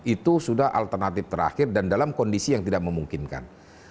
itu sudah alternatif terakhir dan dalam kondisi yang tidak memungkinkan